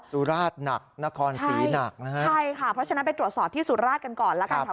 สุราชหนักนครศรีหนักนะฮะใช่ค่ะเพราะฉะนั้นไปตรวจสอบที่สุราชกันก่อนแล้วกันค่ะ